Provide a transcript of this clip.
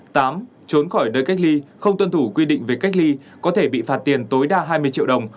tám trốn khỏi nơi cách ly không tuân thủ quy định về cách ly có thể bị phạt tiền tối đa hai mươi triệu đồng